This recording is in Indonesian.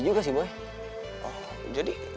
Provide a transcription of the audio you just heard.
mau belanja makeup bike gue